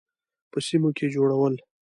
په سیمو کې جوړول.